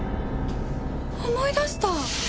思い出した。